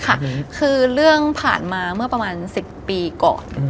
คือเรื่องผ่านมาเมื่อประมาณ๑๐ปีก่อน